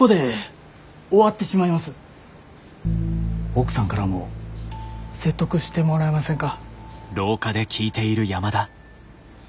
奥さんからも説得してもらえませんか？